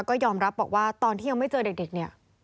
ก็ยอมรับบอกว่าตอนที่ยังไม่เจอเด็กเนี่ย